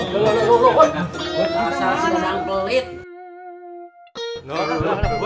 bukan di dunia langsung